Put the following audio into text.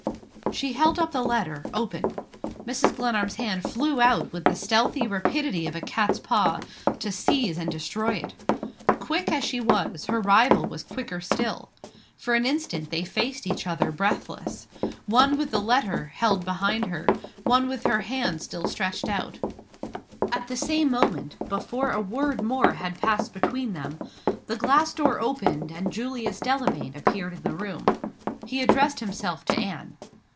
She held up the letter, open. Mrs. Glenarm's hand flew out with the stealthy rapidity of a cat's paw, to seize and destroy it. Quick as she was, her rival was quicker still. For an instant they faced each other breathless one with the letter held behind her; one with her hand still stretched out. At the same moment before a word more had passed between them the glass door opened; and Julius Delamayn appeared in the room. He addressed himself to Anne.